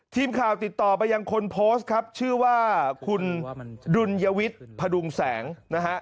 ทีมข่าวติดต่อไปยังคนโพสต์ครับชื่อว่าคุณดุลยวิทย์พดุงแสงนะฮะ